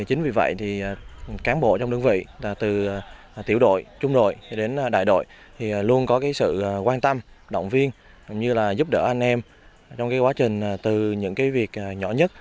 chính vì vậy cán bộ trong đơn vị từ tiểu đội trung đội đến đại đội luôn có sự quan tâm động viên giúp đỡ anh em trong quá trình từ những việc nhỏ nhất